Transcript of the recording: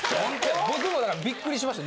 僕もだからビックリしました。